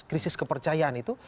krisis kepercayaan itu